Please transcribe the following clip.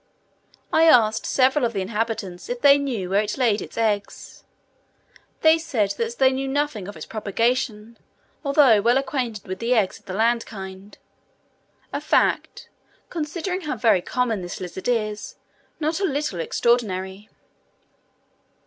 I asked several of the inhabitants if they knew where it laid its eggs: they said that they knew nothing of its propagation, although well acquainted with the eggs of the land kind a fact, considering how very common this lizard is, not a little extraordinary.